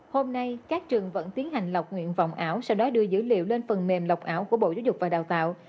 hôm nay các trường vẫn tiến hành lọc nguyện vọng ảo sau đó đưa dữ liệu lên phần mềm lọc ảo của bộ giáo dục và đào tạo